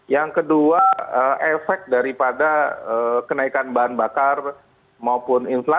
yang kedua efek daripada kenaikan bahan bakar maupun inflasi